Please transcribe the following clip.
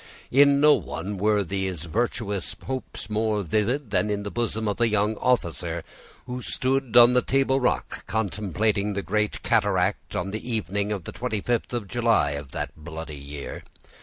In no one were these virtuous hopes more vivid than in the bosom of a young officer who stood on the table rock, contemplating the great cataract, on the evening of the 25th of July of that bloody year.